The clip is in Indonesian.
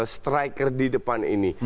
striker di depan ini